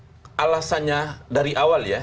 kalau alasannya dari awal ya